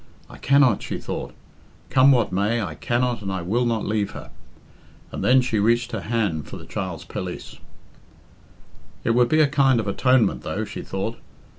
"I cannot," she thought; "come what may, I cannot and I will not leave her." And then she reached her hand for the child's pelisse. "It would be a kind of atonement, though," she thought.